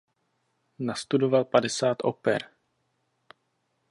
Nastudoval padesát oper.